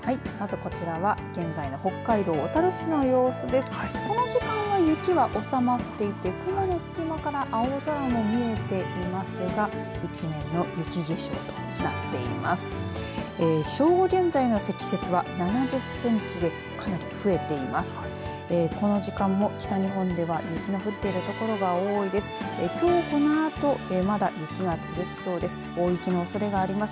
この時間は雪は収まっていて雲の隙間から青空も見えていますが一面の雪化粧となっています。